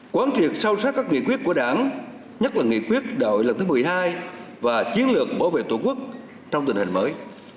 quán triệt sâu sắc các nghị quyết của đảng nhất là nghị quyết đại hội lần thứ một mươi hai và chiến lược bảo vệ tổ quốc trong tình hình mới